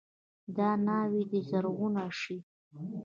دا ناوې دې زرغونه شي.